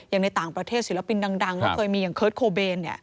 อย่างในต่างประเทศศิลปินดังก็เคยมีอย่างเคิร์ตโคเบน